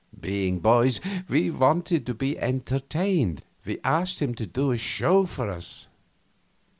Being boys, we wanted to be entertained; we asked him to do a show for us.